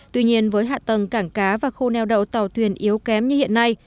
tuy nhiên với hạ tầng cảng cá và khu neo đậu tàu thuyền yếu kém như hiện nay